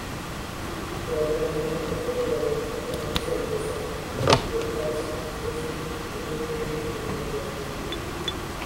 The organization also provided economic services and forecasts specific to the credit union industry.